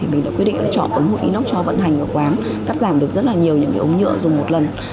mình đã quyết định lựa chọn ống hút inox cho vận hành ở quán cắt giảm được rất nhiều ống nhựa dùng một lần